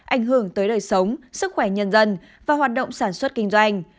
ảnh hưởng tới đời sống sức khỏe nhân dân và hoạt động sản xuất kinh doanh